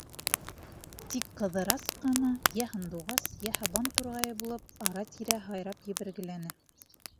Тик Ҡыҙырас ҡына йә һандуғас, йә һабан турғайы булып ара-тирә һайрап ебәргеләне.